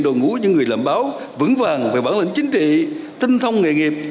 đồ ngũ những người làm báo vững vàng về bản lĩnh chính trị tinh thông nghề nghiệp